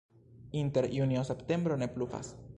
Inter junio-septembro ne pluvas.